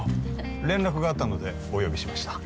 連絡があったのでお呼びしました